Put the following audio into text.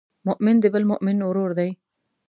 مؤمن د بل مؤمن ورور دی.